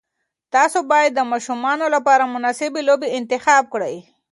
تاسي باید د ماشومانو لپاره مناسب لوبې انتخاب کړئ.